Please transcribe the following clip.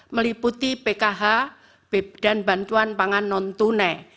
meliputi pkh dan bantuan pangan non tunai